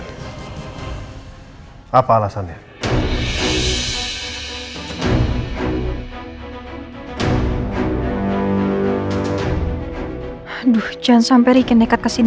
takut ada sampe kata pata ene gaeing